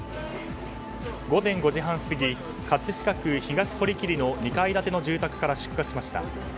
午前５時半過ぎ、葛飾区東堀切の２階建ての住宅から出火しました。